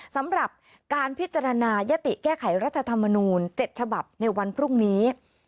สำหรับการพิจารณายติแก้ไขรัฐธรรมนูล๗ฉบับในวันพรุ่งนี้